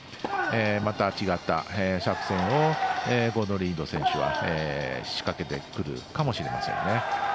また、違った作戦をゴードン・リード選手は仕掛けてくるかもしれませんね。